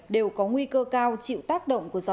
đều có nguy cơ cao chịu tác động của gió